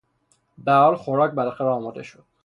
به هر حال خوراک بالاخره آماده شد.